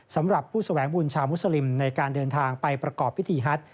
สำหรับผู้แสวงบุญชาวมุสลิมในการเดินทางไปประกอบพิธีฮัต